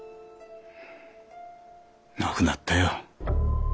亡くなったよ。